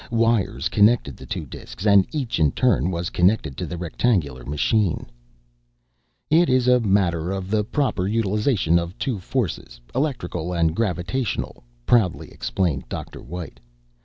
Wires connected the two disks and each in turn was connected to the rectangular machine. "It is a matter of the proper utilization of two forces, electrical and gravitational," proudly explained Dr. White.